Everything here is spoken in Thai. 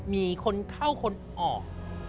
มีคนเข้าคนออก